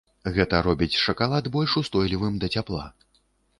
Гэта робіць шакалад больш устойлівым да цяпла.